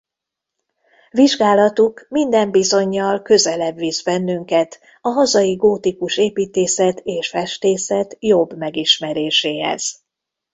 Vizsgálatuk minden bizonnyal közelebb visz bennünket a hazai gótikus építészet és festészet jobb megismeréséhez.